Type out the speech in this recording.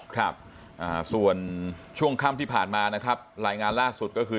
ครับส่วนช่วงค่ำที่ผ่านมานะครับรายงานล่าสุดก็คือ